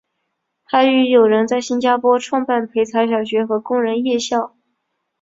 还与友人在新加坡创办培才小学和工人夜校。